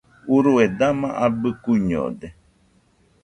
Urue dama abɨ kuiñode